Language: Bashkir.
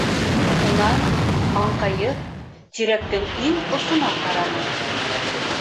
Унан, аңҡайып, тирәктең иң осона ҡараны.